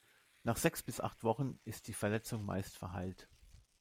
Nach sechs bis acht Wochen ist die Verletzung meist verheilt.